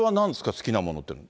好きなものって。